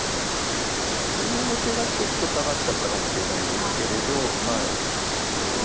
今の手がちょっと下がっちゃったかもしれないですけれど。